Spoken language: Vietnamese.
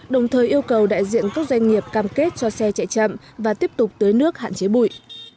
đồng thời yêu cầu đại diện các doanh nghiệp cam kết cho xe chạy chậm và tiếp tục tưới nước hạn chế bụi